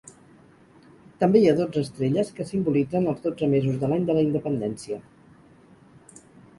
També hi ha dotze estrelles que simbolitzen els dotze mesos de l'any de la independència.